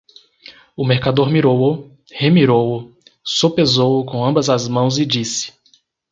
O mercador mirou-o, remirou-o, sopesou-o com ambas as mãos e disse